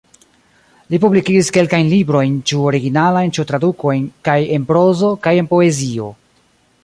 Li publikigis kelkajn librojn, ĉu originalajn ĉu tradukojn, kaj en prozo kaj en poezio.